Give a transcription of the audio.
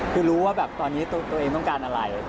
คือรู้ว่าแบบตอนนี้ตัวเองต้องการอะไร